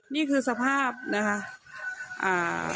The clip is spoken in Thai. นี่คือสภาพนะคะ